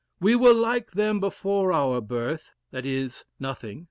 We were like them before our birth, that is nothing.